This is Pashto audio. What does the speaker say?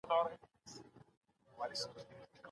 که ښوونکی وضاحت وکړي، زده کوونکی نه مغشوش کېږي.